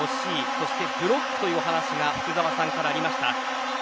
そしてブロックという話が福澤さんからありました。